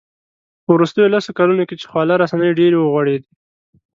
په وروستیو لسو کلونو کې چې خواله رسنۍ ډېرې وغوړېدې